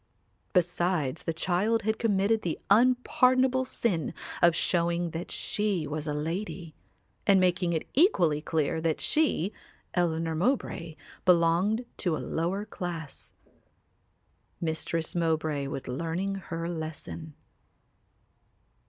Besides the child had committed the unpardonable sin of showing that she was a lady and making it equally clear that she, Eleanor Mowbray, belonged to a lower class. Mistress Mowbray was learning her lesson.